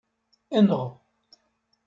Enɣ!